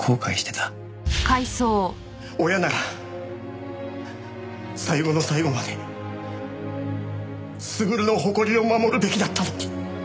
親なら最後の最後まで優の誇りを守るべきだったのに。